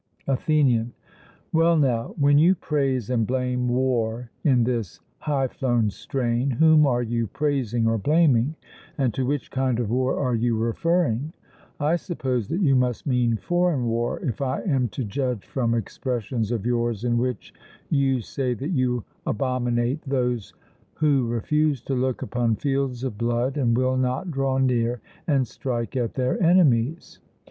ATHENIAN: Well, now, when you praise and blame war in this high flown strain, whom are you praising or blaming, and to which kind of war are you referring? I suppose that you must mean foreign war, if I am to judge from expressions of yours in which you say that you abominate those 'Who refuse to look upon fields of blood, and will not draw near and strike at their enemies.'